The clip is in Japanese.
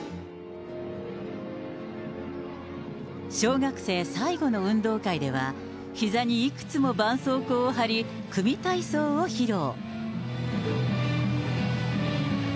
小学生最後の運動会では、ひざにいくつもばんそうこうを貼り、組み体操を披露。